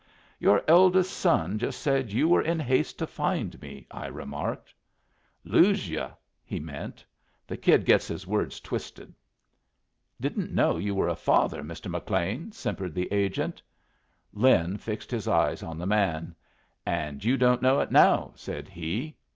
"Your eldest son just said you were in haste to find me," I remarked. "Lose you, he meant. The kid gets his words twisted." "Didn't know you were a father, Mr. McLean," simpered the agent. Lin fixed his eye on the man. "And you don't know it now," said he.